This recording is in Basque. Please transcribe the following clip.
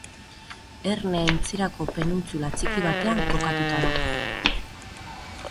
Erne aintzirako penintsula txiki batean kokatua dago.